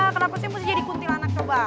kenapa saya mesti jadi kuntilanak coba